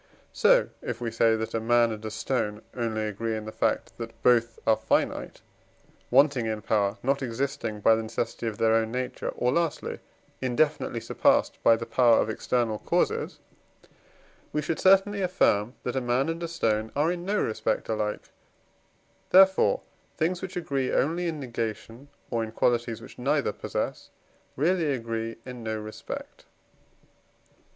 So, if we say that a man and a stone only agree in the fact that both are finite wanting in power, not existing by the necessity of their own nature, or, lastly, indefinitely surpassed by the power of external causes we should certainly affirm that a man and a stone are in no respect alike; therefore, things which agree only in negation, or in qualities which neither possess, really agree in no respect.